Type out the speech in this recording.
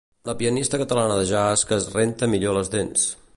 La pianista catalana de jazz que es renta millor les dents.